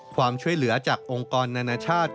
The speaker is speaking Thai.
ความช่วยเหลือจากองค์กรนานาชาติ